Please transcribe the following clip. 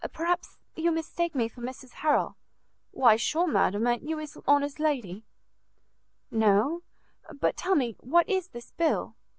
Perhaps you mistake me for Mrs Harrel." "Why, sure, madam, a'n't you his honour's lady?" "No. But tell me, what is this bill?"